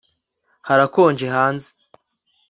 Harakonje hanze